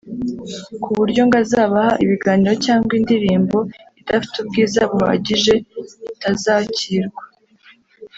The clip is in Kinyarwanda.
ku buryo ngo abazabaha ibiganiro cyangwa indirimo idafite ubwiza buhagije bitazakirwa